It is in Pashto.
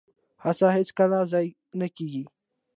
هڅه هیڅکله ضایع نه کیږي